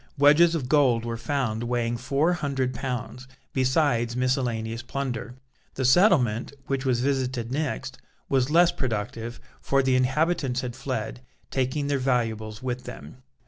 Wedges of gold were found weighing four hundred pounds, besides miscellaneous plunder. The settlement, which was visited next, was less productive, for the inhabitants had fled, taking their valuables with them.